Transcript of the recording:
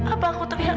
apa aku terlihat